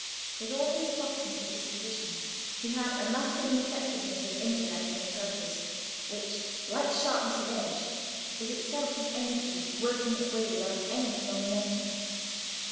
With all his softness of disposition, he had a masculine effectiveness of intellect and purpose which, like sharpness of edge, is itself an energy, working its way without any strong momentum.